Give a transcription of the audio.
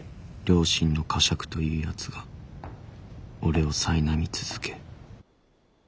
良心の呵責というやつが俺をさいなみ続け